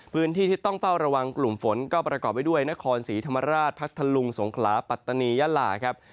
พื้นที่ที่ต้องเฝ้าระวังกลุ่มฝนก็ประกอบไปด้วยนครศรีธรรมราชพัทธลุงสงขลาปัตตานียาลาครับ